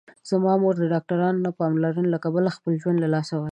زما مور د ډاکټرانو د نه پاملرنې له کبله خپل ژوند له لاسه ورکړ